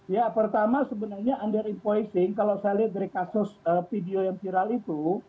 ya pertama sebenarnya under empoising kalau saya lihat dari kasus video yang viral itu